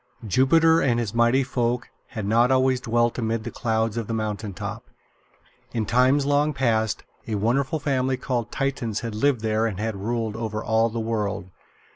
Jupiter and his Mighty Folk had not always dwelt amid the clouds on the mountain top. In times long past, a wonderful family called Titans had lived there and had ruled over all the world.